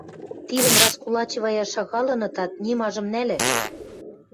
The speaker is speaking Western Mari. Тидӹм раскулачиваяш шагалынытат, нимажым нӓлӓш.